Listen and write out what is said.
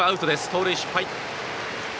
盗塁失敗。